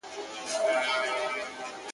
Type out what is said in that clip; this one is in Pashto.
یا خو غښتلی یا بې اثر یې!